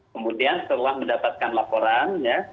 kemudian setelah mendapatkan laporan